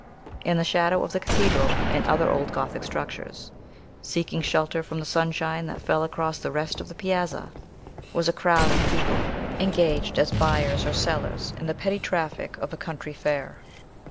In the shadow of the cathedral and other old Gothic structures seeking shelter from the sunshine that fell across the rest of the piazza was a crowd of people, engaged as buyers or sellers in the petty traffic of a country fair.